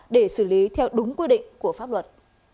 để xử lý theo đúng quy định của pháp luật